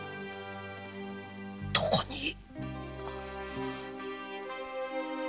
どこに？